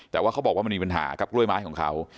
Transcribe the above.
แต่ว่าเขาบอกว่ามันมีปัญหากับกล้วยไม้ของเขา